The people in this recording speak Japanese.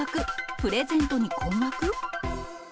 プレゼントに困惑？